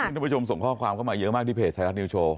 ทุกผู้ชมส่งข้อความเข้ามาเยอะมากที่เพจไทยรัฐนิวโชว